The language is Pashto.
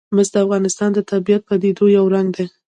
مس د افغانستان د طبیعي پدیدو یو رنګ دی.